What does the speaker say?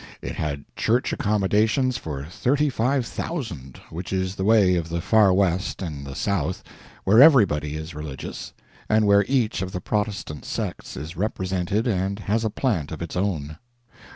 It had church accommodations for thirty five thousand, which is the way of the Far West and the South, where everybody is religious, and where each of the Protestant sects is represented and has a plant of its own.